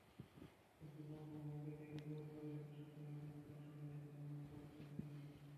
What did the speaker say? ঝুঁকিপূর্ণ ভবনটি থেকে পরিবারের সদস্যদের অন্যত্র সরে যেতে অনুরোধ করেছেন তিনি।